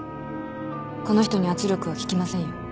この人に圧力は効きませんよ。